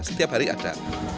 setiap hari ada